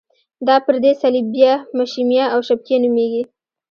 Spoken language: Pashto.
دا پردې صلبیه، مشیمیه او شبکیه نومیږي.